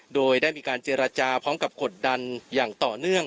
โดยได้มีการเจรจาพร้อมกับกดดันอย่างต่อเนื่อง